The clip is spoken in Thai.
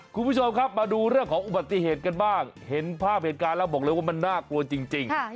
คุณผู้ชมครับมาดูเรื่องของอุบัติเหตุกันบ้างเห็นภาพเหตุการณ์แล้วบอกเลยว่ามันน่ากลัวจริง